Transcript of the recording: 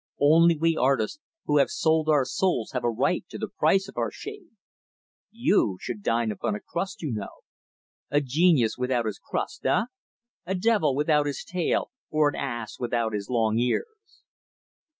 Only we artists who have sold our souls have a right to the price of our shame. You should dine upon a crust, you know. A genius without his crust, huh! A devil without his tail, or an ass without his long ears!"